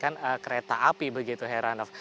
yang melibatkan kereta api begitu heranov